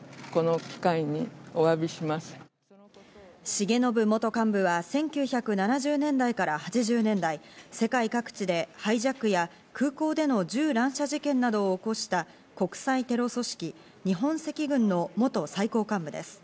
重信元幹部は１９７０年代から８０年代、世界各地でハイジャックや空港での銃乱射事件などを起こした国際テロ組織・日本赤軍の元最高幹部です。